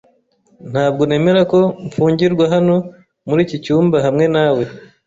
Ntabwo nemera ko mfungirwa hano muri iki cyumba hamwe nawe